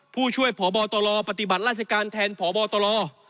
ผู้ช่วยพบตรปฏิบัติราชการแทนพบตล